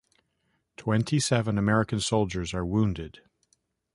Twenty-seven American soldiers are wounded.